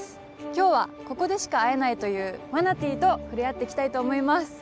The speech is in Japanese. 今日はここでしか会えないというマナティーと触れ合っていきたいと思います。